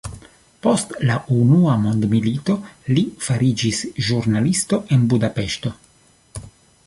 Post la unua mondmilito li fariĝis ĵurnalisto en Budapeŝto.